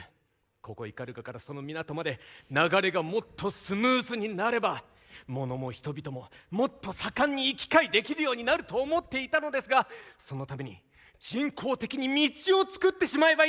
ここ斑鳩からその港まで流れがもっとスムーズになれば物も人々ももっと盛んに行き交いできるようになると思っていたのですがそのために人工的に道をつくってしまえばいいんですね！